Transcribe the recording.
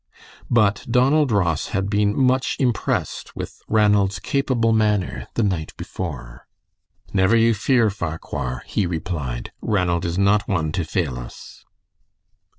But Donald Ross had been much impressed with Ranald's capable manner the night before. "Never you fear, Farquhar," he replied; "Ranald is not one to fail us."